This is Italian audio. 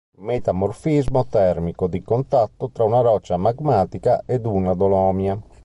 Metamorfismo termico di contatto tra una roccia magmatica ed una dolomia.